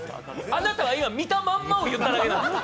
あなたは今見たまんまを言ったんですよ。